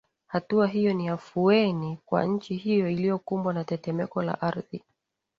hatua hiyo ni afueni kwa nchi hiyo iliyokumbwa na tetemeko la ardhi